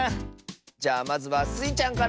じゃあまずはスイちゃんから！